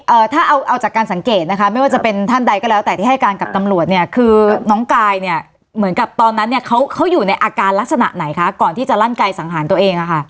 ถ้าเอาเอาจากการสังเกตนะคะไม่ว่าจะเป็นท่านใดก็แล้วแต่ที่ให้การกับตำรวจเนี่ยคือน้องกายเนี่ยเหมือนกับตอนนั้นเนี่ยเขาเขาอยู่ในอาการลักษณะไหนคะก่อนที่จะลั่นกายสังหารตัวเองอะค่ะ